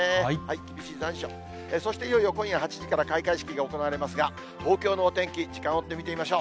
厳しい残暑、そしていよいよ今夜８時から開会式が行われますが、東京のお天気、時間を追って見てみましょう。